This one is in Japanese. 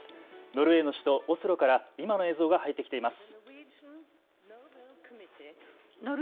ノルウェーの首都オスロから今の映像が入ってきています。